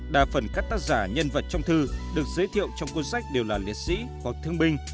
đa phần các tác giả nhân vật trong thư được giới thiệu trong cuốn sách đều là liệt sĩ hoặc thương binh